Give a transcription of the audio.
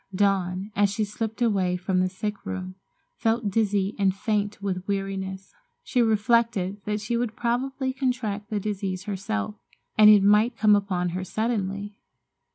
Dawn, as she slipped away from the sick room, felt dizzy and faint with weariness. She reflected that she would probably contract the disease herself, and it might come upon her suddenly.